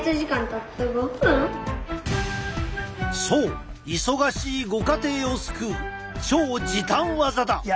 そう忙しいご家庭を救う超時短技だ！